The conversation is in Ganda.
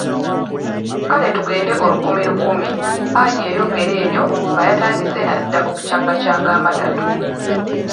Kale tugende olukumilukumi, Haji yayogera ebyo nga yatandise na dda n'okucangacanga amatatu.